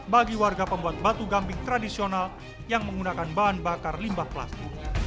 bagi warga pembuat batu gamping tradisional yang menggunakan bahan bakar limbah plastik